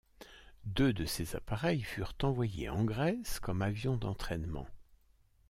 Deux de ces appareils furent envoyés en Grèce comme avions d'entraînement.